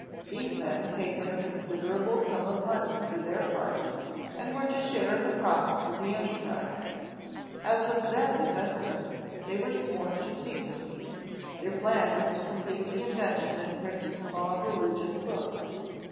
These men paid him a considerable sum of money for their part, and were to share in the profits of the enterprise. As was then the custom, they were sworn to secrecy. Their plan was to complete the invention and print a small religious JOHN GUTENBERG 201 book.